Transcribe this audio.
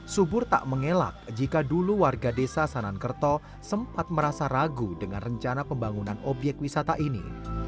subur tak mengelak jika dulu warga desa sanankerto sempat merasa ragu dengan rencana pembangunan obyek wisata ini